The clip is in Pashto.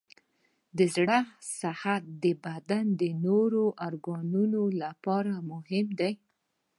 د زړه صحت د بدن د نورو ارګانونو لپاره مهم دی.